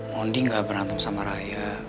moni enggak berantem sama raya